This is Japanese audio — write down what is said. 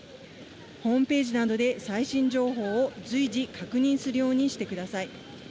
ホームページなどで最新情報を随時確認するようにしてください。